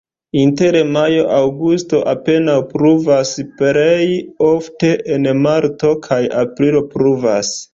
Inter majo-aŭgusto apenaŭ pluvas, plej ofte en marto kaj aprilo pluvas.